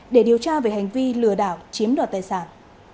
để điều tra về hành vi lừa đảo chiếm đoạt tài sản